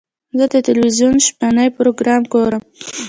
زه د تلویزیون شپهني پروګرام ګورم.